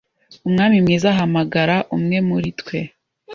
Umwami mwiza ahamagara umwe muri twe